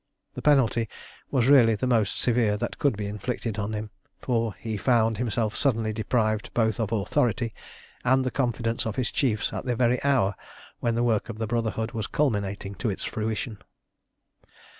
The penalty was really the most severe that could be inflicted on him, for he found himself suddenly deprived both of authority and the confidence of his chiefs at the very hour when the work of the Brotherhood was culminating to its fruition.